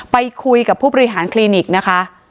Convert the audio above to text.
ไปคุยกับผู้บริหารคลินิกนะคะ